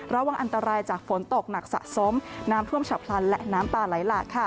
ระวังอันตรายจากฝนตกหนักสะสมน้ำท่วมฉับพลันและน้ำป่าไหลหลากค่ะ